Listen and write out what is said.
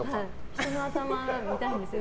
人の頭を見たいんですよ